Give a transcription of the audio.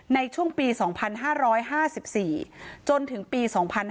ในช่วงปี๒๕๕๔จนถึงปี๒๕๕๙